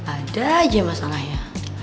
ada aja masalahnya